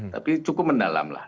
tapi cukup mendalam lah